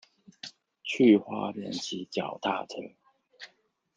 去花蓮騎腳踏車